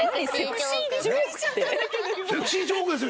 セクシージョークですよ